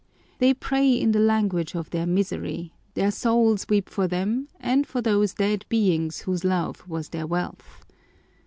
They pray in the language of their misery: their souls weep for them and for those dead beings whose love was their wealth.